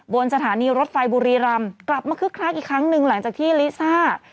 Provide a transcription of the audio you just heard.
บนสถานีรถไฟบุรีรำกลับมาคึกคักอีกครั้งหนึ่งหลังจากที่ลิซ่า